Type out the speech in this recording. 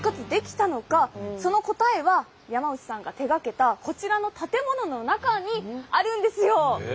その答えは山内さんが手がけたこちらの建物の中にあるんですよ。